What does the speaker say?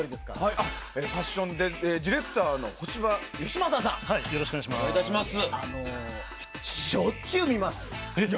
ファッションディレクターのよろしくお願いします。